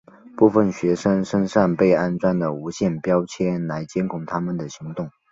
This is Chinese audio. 部分学生身上被安装了无线标签来监控他们的行动。